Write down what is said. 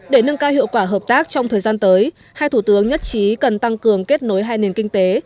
để nâng cao hiệu quả hợp tác trong thời gian tới hai thủ tướng nhất trí cần tăng cường kết nối hai nền kinh tế